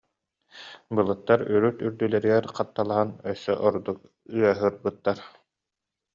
Былыттар үрүт-үрдүлэригэр хатталаһан, өссө ордук ыаһырбыттар